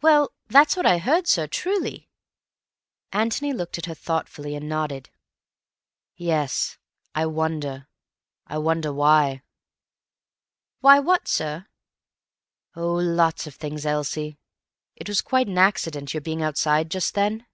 "Well, that's what I heard, sir. Truly." Antony looked at her thoughtfully and nodded. "Yes. I wonder. I wonder why." "Why what, sir?" "Oh, lots of things, Elsie.... It was quite an accident your being outside just then?"